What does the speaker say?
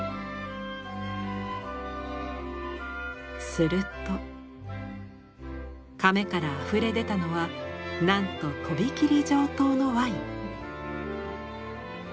すると甕からあふれ出たのはなんと飛び切り上等のワイン。